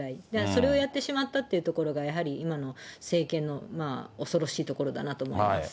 それをやってしまったっていうところが、やはり今の政権の恐ろしいところだなと思います。